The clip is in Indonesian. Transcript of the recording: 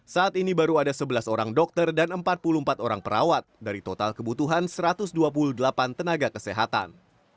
saat ini baru ada sebelas orang dokter dan empat puluh empat orang perawat dari total kebutuhan satu ratus dua puluh delapan tenaga kesehatan